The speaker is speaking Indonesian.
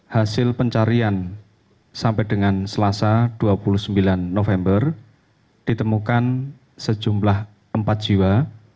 hasil pencarian sampai dengan selasa dua puluh sembilan november ditemukan sejumlah empat jiwa